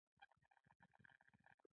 افغانستان د کلي له امله شهرت لري.